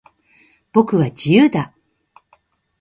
僕は、自由だ。